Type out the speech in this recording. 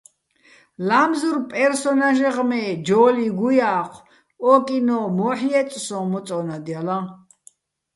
ლა́მზურ პერსონაჟეღ მე ჯო́ლი გუჲა́ჴო̆, ო კინო́ მოჰ̦ ჲე́წ სო́ჼ მოწო́ნადჲალაჼ?